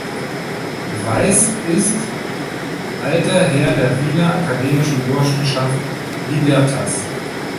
Weiß ist Alter Herr der Wiener akademischen Burschenschaft Libertas.